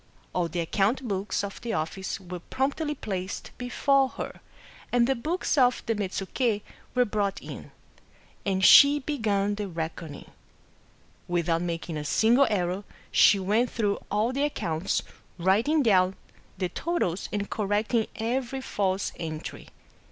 All the account books of the office were promptly placed before her, — and the books of the Metsuke were brought in ; and she began the reckoning. Without making a single error, she went through all the ac counts, writing down the totals and correcting every false entry.